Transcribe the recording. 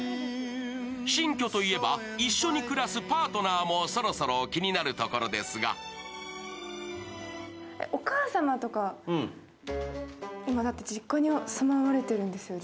新居と言えば一緒に暮らすパートナーもそろそろ気になるところですがお母様とか、今、だって実家に住まわれているんですよね？